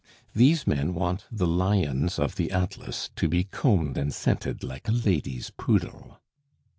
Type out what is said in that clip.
These men want the lions of the Atlas to be combed and scented like a lady's poodle.